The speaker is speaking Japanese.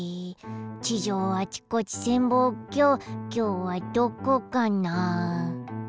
地上あちこち潜望鏡きょうはどこかな。